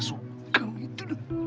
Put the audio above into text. masuk kami dulu